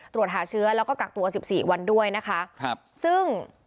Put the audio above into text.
ตรวจหาเชื้อแล้วก็กักตัวสิบสี่วันด้วยนะคะครับซึ่ง